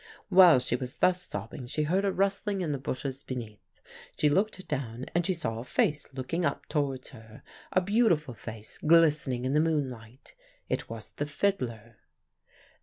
"While she was thus sobbing she heard a rustling in the bushes beneath; she looked down and she saw a face looking up towards her, a beautiful face, glistening in the moonlight. It was the fiddler.